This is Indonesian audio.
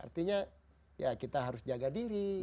artinya ya kita harus jaga diri